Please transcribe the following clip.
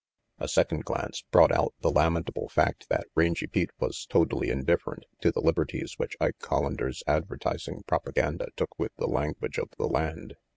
A second glance brought out the lamentable fact that Rangy Pete was totally indif ferent to the liberties which Ike Collander's adver tising propaganda took with the language of the land.